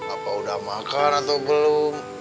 apa udah makan atau belum